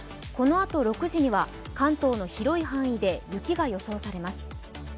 このあと６時には関東の広い範囲で雪が予想されます。